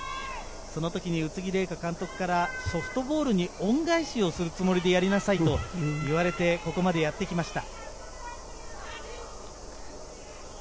そのときに宇津木麗華監督からソフトボールに恩返しをするつもりでやりなさいといわれてここまでやってきました。